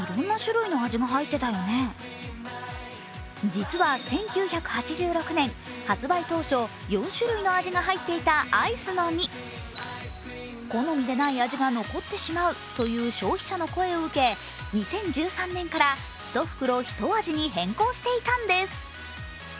実は１９８６年、発売当初４種類の味が入っていたアイスの実好みでない味が残ってしまうという消費者の声を受け２０１３年から１袋１味に変更していたんです。